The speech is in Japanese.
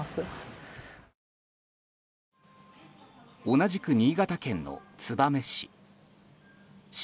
同じく新潟県の燕市。